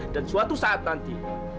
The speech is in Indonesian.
dan suatu saat nanti